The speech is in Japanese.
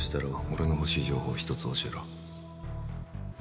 俺の欲しい情報を一つ教えろ